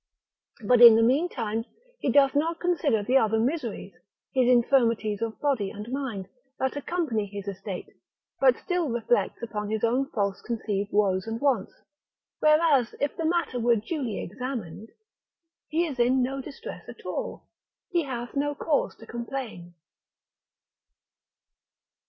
But in the meantime he doth not consider the other miseries, his infirmities of body and mind, that accompany his estate, but still reflects upon his own false conceived woes and wants, whereas if the matter were duly examined, he is in no distress at all, he hath no cause to complain.